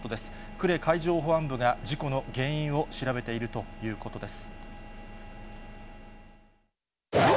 呉海上保安部が事故の原因を調べているということです。